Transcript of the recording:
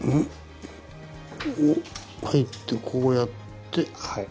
入ってこうやって。